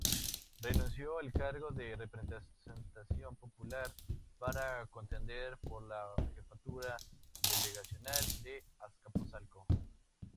Renunció al cargo de representación popular para contender por la jefatura delegacional de Azcapotzalco.